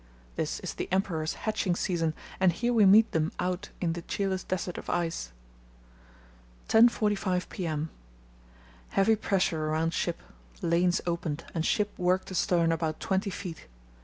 This is the emperor's hatching season, and here we meet them out in the cheerless desert of ice.... 10.45 p.m.—Heavy pressure around ship, lanes opened and ship worked astern about twenty feet.